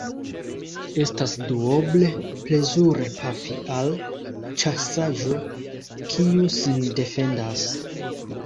Estas duoble plezure pafi al ĉasaĵo, kiu sin defendas.